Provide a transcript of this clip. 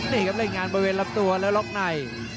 นี่ครับเล่นงานบริเวณลำตัวแล้วล็อกใน